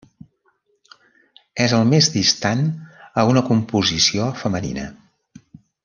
És el més distant a una composició femenina.